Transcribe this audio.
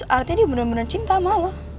artinya dia bener bener cinta sama lo